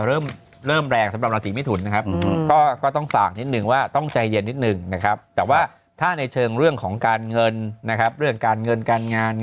เราก็ไปราศีมังกอลนี่ก็คือโอเคหละ